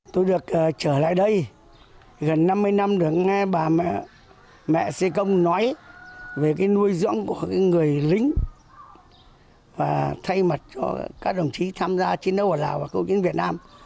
tôi được trở lại đây gần năm mươi năm được nghe bà mẹ xê công nói về cái nuôi dưỡng của người lính và thay mặt cho các đồng chí tham gia chiến đấu ở lào và cổ kính việt nam